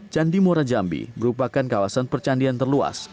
candi muara jambi merupakan kawasan percandian terluas